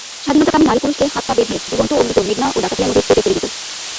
স্বাধীনতাকামী নারী পুরুষকে হাত-পা বেঁধে জীবন্ত ও মৃত মেঘনা ও ডাকাতিয়া নদীর স্রোতে ফেলে দিতো।